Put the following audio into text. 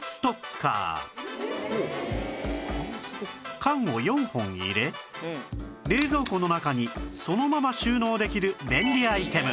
缶を４本入れ冷蔵庫の中にそのまま収納できる便利アイテム